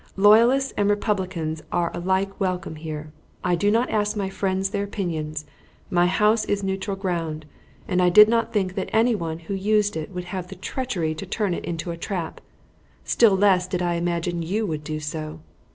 Loyalists and republicans are alike welcome here. I do not ask my friends their opinions. My house is neutral ground, and I did not think that anyone who used it would have had the treachery to turn it into a trap; still less did I imagine you would do so.